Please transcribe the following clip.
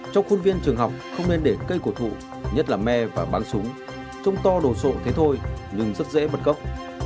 trong khuôn viên trường học không nên để cây cổ thụ nhất là me và bán súng trông to đồ sộ thế thôi nhưng rất dễ bật gốc